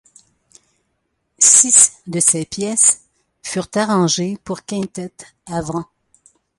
Six de ces pièces furent arrangées pour quintette à vent.